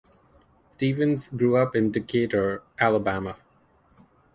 Stephens grew up in Decatur, Alabama.